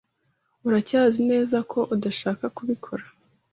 Uracyazi neza ko udashaka kubikora?